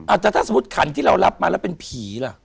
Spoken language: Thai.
อาจจะถ้าสมมุติขันที่เรารับมาแล้วเป็นผีล่ะ